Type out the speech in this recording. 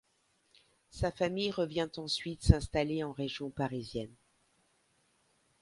Sa famille revient ensuite s'installer en région parisienne.